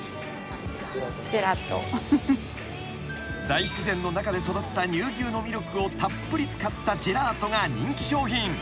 ［大自然の中で育った乳牛のミルクをたっぷり使ったジェラートが人気商品。